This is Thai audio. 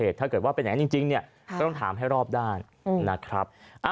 ถ้าเกิดว่าเป็นอย่างนั้นจริงเนี่ยก็ต้องถามให้รอบด้านนะครับ